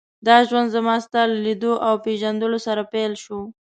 دا ژوند زما ستا له لیدو او پېژندلو سره پیل شو.